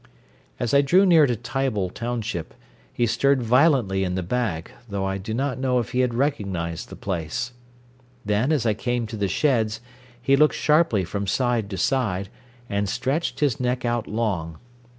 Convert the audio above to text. As I drew near to Tible township, he stirred violently in the bag, though I do not know if he had recognised the place. Then, as I came to the sheds, he looked sharply from side to side, and stretched his neck out long.